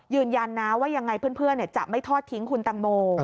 ยืนยันนะว่ายังไงเพื่อนจะไม่ทอดทิ้งคุณตังโม